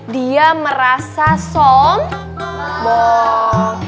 dia merasa sombong